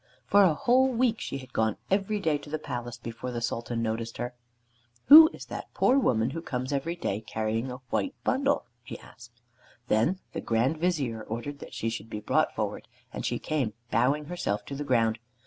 For a whole week she had gone every day to the palace, before the Sultan noticed her. "Who is that poor woman who comes every day carrying a white bundle?" he asked. Then the Grand Vizier ordered that she should be brought forward, and she came bowing herself to the ground.